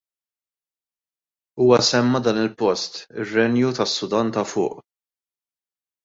Huwa semma dan il-post, ir-Renju tas-Sudan ta' Fuq.